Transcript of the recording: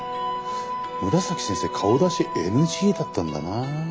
紫先生顔出しＮＧだったんだな。